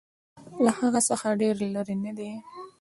له هغه څخه ډېر لیري نه دی.